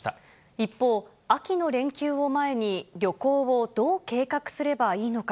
一方、秋の連休を前に旅行をどう計画すればいいのか。